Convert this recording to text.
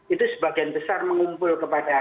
itu sebagian besar mengumpul kepada